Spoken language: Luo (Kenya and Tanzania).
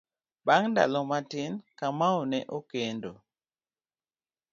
Bang' ndalo matin, Kamau ne okendo.